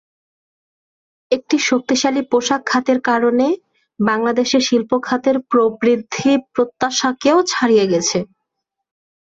একটি শক্তিশালী পোশাক খাতের কারণে বাংলাদেশে শিল্প খাতের প্রবৃদ্ধি প্রত্যাশাকেও ছাড়িয়ে গেছে।